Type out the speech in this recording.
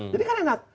jadi kan enak